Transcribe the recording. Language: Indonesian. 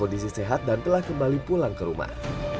kondisi sehat itu dalam kondisi sehat dan telah kembali pulang ke rumah